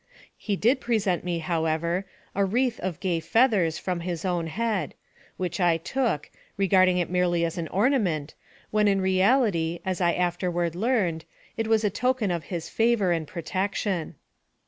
He did present me, however, a wreath of gay feathers from his own head, which I took, regarding it merely as an orna ment, when in reality, as I afterward learned, it was a token of his favor and protection.